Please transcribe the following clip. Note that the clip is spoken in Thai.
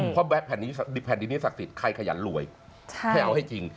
เพราะแผ่นดินิสักศิษย์ใครขยันรวยแค่เอาให้จริง